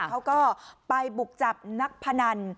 เขาก็ไปบุกจับนักพนัน